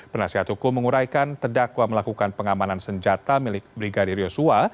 penasihat hukum menguraikan terdakwa melakukan pengamanan senjata milik brigadir yosua